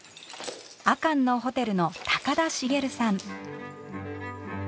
阿寒のホテルの高田茂さん。